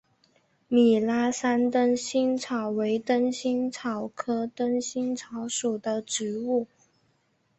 米拉山灯心草为灯心草科灯心草属的植物。